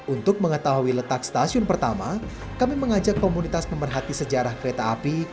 untuk mengetahui letak stasiun pertama kami mengajak komunitas pemerhati sejarah kereta api